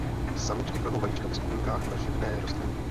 Samičky kladou vajíčka ve skupinkách na živné rostliny.